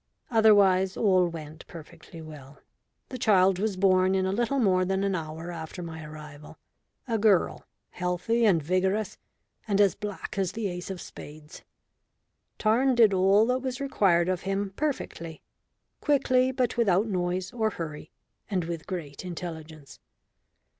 Otherwise all went perfectly well. The child was born in a little more than an hour after my arrival, a girl, healthy and vigorous, and as black as the ace of spades. Tarn did all that was required of him perfectly quickly, but without noise or hurry, and with great intelligence.